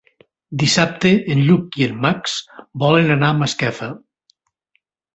Dissabte en Lluc i en Max volen anar a Masquefa.